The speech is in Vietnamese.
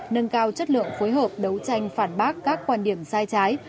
nâng cao chất lượng phối hợp đấu tranh phản bác các quan điểm sai trái